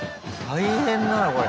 大変だなこれ。